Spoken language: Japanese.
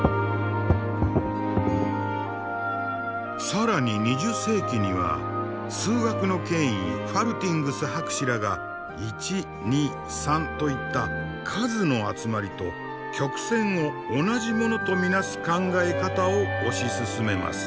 更に２０世紀には数学の権威ファルティングス博士らが１２３といった数の集まりと曲線を同じものと見なす考え方を推し進めます。